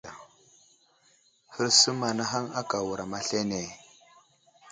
Hərsum anahaŋ aka wuram aslane.